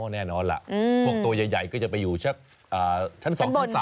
แน่นอนล่ะบอกตัวใหญ่ก็จะไปอยู่ชั้น๒๓